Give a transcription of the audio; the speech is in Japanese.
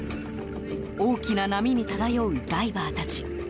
大きな波に漂うダイバーたち。